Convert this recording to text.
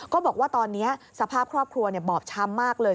บอกว่าตอนนี้สภาพครอบครัวบอบช้ำมากเลย